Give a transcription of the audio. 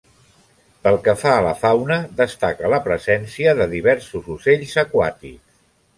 Pel que fa a la fauna destaca la presència de diversos ocells aquàtics.